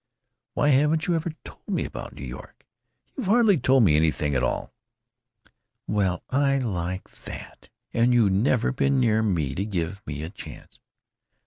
Why haven't you ever told me about New York? You've hardly told me anything at all." "Well, I like that! And you never been near me to give me a chance!"